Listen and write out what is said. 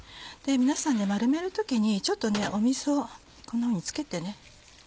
皆さん丸める時にちょっと水をこんなふうに付けてね。